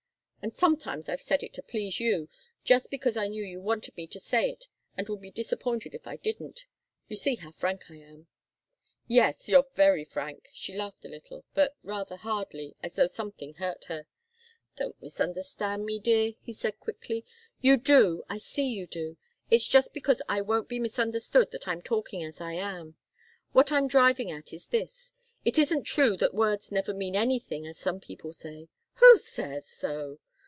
And sometimes I've said it to please you, just because I knew you wanted me to say it and would be disappointed if I didn't. You see how frank I am." "Yes you're very frank!" She laughed a little, but rather hardly, as though something hurt her. "Don't misunderstand me, dear," he said, quickly. "You do I see you do. It's just because I won't be misunderstood that I'm talking as I am. What I'm driving at is this. It isn't true that words never mean anything, as some people say " "Who says so?